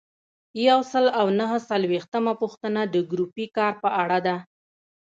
یو سل او نهه څلویښتمه پوښتنه د ګروپي کار په اړه ده.